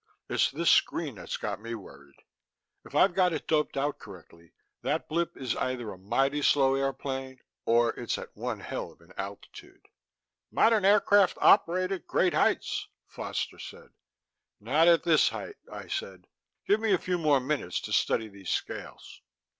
"It's this screen that's got me worried. If I've got it doped out correctly, that blip is either a mighty slow airplane or it's at one hell of an altitude." "Modern aircraft operate at great heights," Foster said. "Not at this height," I said. "Give me a few more minutes to study these scales...."